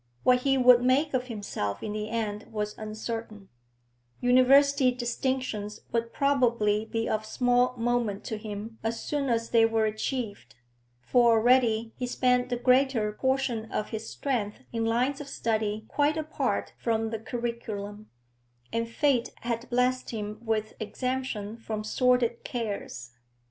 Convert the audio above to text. What he would make of himself in the end was uncertain; university distinctions would probably be of small moment to him as soon as they were achieved, for already he spent the greater portion of his strength in lines of study quite apart from the curriculum, and fate had blessed him with exemption from sordid cares.